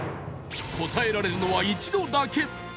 答えられるのは一度だけ